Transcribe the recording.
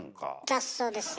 雑草ですよ。